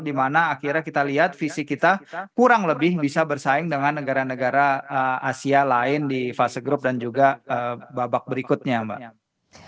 dimana akhirnya kita lihat visi kita kurang lebih bisa bersaing dengan negara negara asia lain di fase grup dan juga babak berikutnya mbak